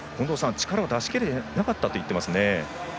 力を出しきれてなかったと言っていますね。